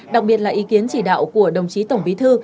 đặc biệt là ý kiến chỉ đạo của đồng chí tổng bí thư